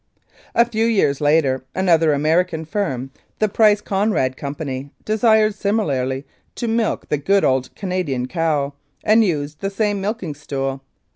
A few years later another American firm, the Price Conrad Company, desired similarly to milk the good old Canadian cow, and used the same milking stool.